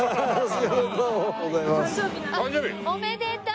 おめでとう！